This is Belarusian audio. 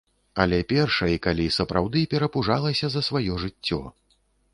Але першай, калі сапраўды перапужалася за сваё жыццё.